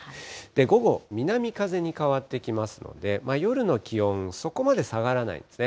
午後、南風に変わってきますので、夜の気温、そこまで下がらないんですね。